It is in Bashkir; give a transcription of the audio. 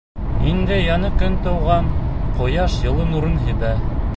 Инде яңы көн тыуған, ҡояш йылы нурын һибә.